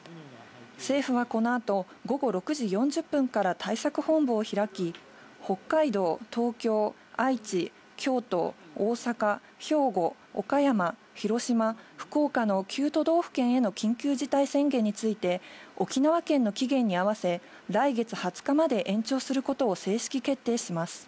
政府はこのあと午後６時４０分から対策本部を開き、北海道、東京、愛知、京都、大阪、兵庫、岡山、広島、福岡の９都道府県への緊急事態宣言について、沖縄県の期限に合わせ、来月２０日まで延長することを正式決定します。